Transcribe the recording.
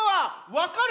わかる！